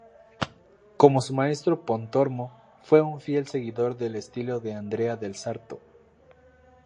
Como su maestro Pontormo, fue un fiel seguidor del estilo de Andrea del Sarto.